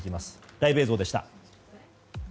ライブ映像でした。